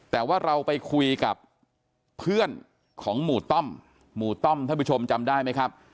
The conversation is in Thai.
แต่ว่าเราไปคุยกับเพื่อนของหมู่ต้อมหมู่ต้อมท่านผู้ชมจำได้ไหมครับ